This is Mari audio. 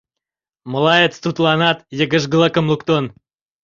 Малаец тудланат йыгыжгылыкым луктын.